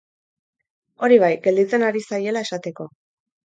Hori bai, gelditzen ari zaiela esateko.